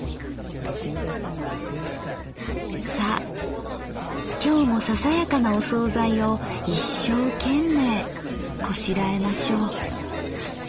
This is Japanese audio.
「さあ今日もささやかなおそうざいを一生懸命こしらえましょう」。